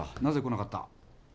なぜ来なかった？